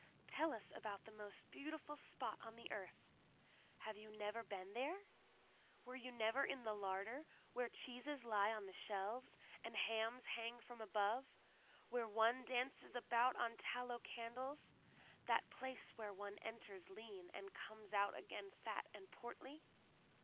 "Tell us about the most beautiful spot on the earth. Have you never been there? Were you never in the larder, where cheeses lie on the shelves, and hams hang from above; where one dances about on tallow candles; that place where one enters lean, and comes out again fat and portly?"